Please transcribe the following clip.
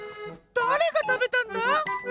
だれがたべたんだ？